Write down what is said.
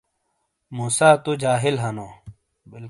مُوسٰی تو جاہل ہنو۔